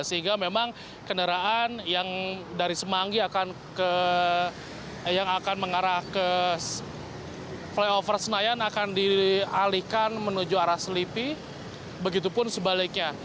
sehingga memang kendaraan yang dari semanggi yang akan mengarah ke flyover senayan akan dialihkan menuju arah selipi begitupun sebaliknya